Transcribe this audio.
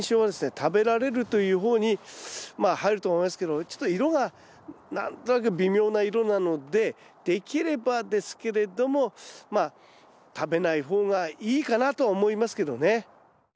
食べられるという方にまあ入ると思いますけどちょっと色が何となく微妙な色なのでできればですけれどもまあ食べない方がいいかなとは思いますけどね。